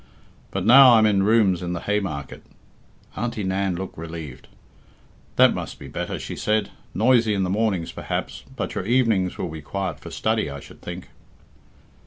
"But now I'm in rooms in the Hay market." Auntie Nan looked relieved. "That must be better," she said. "Noisy in the mornings, perhaps, but your evenings will be quiet for study, I should think."